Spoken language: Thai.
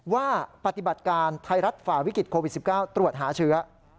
ว่าปฏิบัติการไทยรัฐฝ่าวิกฤตโควิด๑๙ตรวจหาเชื้อ